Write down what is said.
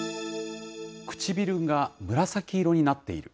唇が紫色になっている。